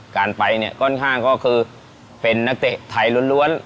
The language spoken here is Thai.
การไปเนี่ยค่อนข้างก็คือเป็นนักเตะไทยล้วน